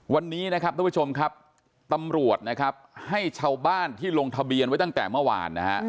วันนี้นะครับทุกผู้ชมครับตำรวจนะครับให้ชาวบ้านที่ลงทะเบียนไว้ตั้งแต่เมื่อวานนะฮะ